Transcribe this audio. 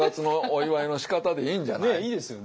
ねえいいですよね！